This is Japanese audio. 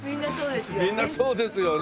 みんなそうですよね。